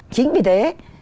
chính vì thế